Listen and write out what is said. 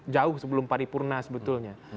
jauh sebelum paripurna sebetulnya